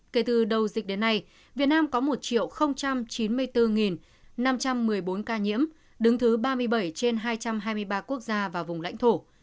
kể từ đầu dịch đến nay việt nam có một chín mươi bốn năm trăm một mươi bốn ca nhiễm đứng thứ ba mươi bảy trên hai trăm hai mươi ba quốc gia và vùng lãnh thổ